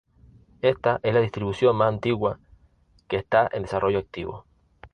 Esta es la distribución más antigua que está en desarrollo activo.